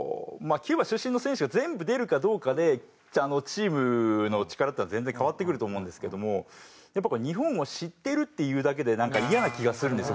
キューバ出身の選手が全部出るかどうかでチームの力っていうのは全然変わってくると思うんですけどもやっぱ日本を知ってるっていうだけでなんかイヤな気がするんですよ